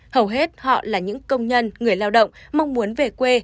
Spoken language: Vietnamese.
hầu hết họ là những công nhân người lao động mong muốn về quê